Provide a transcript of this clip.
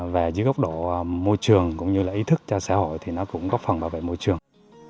và dưới góc độ môi trường cũng như là ý thức cho xã hội thì nó cũng góp phần bảo vệ môi trường